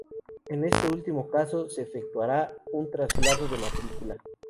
En este último caso, se efectuará un traslado de matrícula.